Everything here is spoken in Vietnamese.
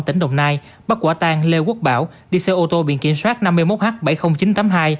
tỉnh đồng nai bắt quả tang lê quốc bảo đi xe ô tô biển kiểm soát năm mươi một h bảy mươi nghìn chín trăm tám mươi hai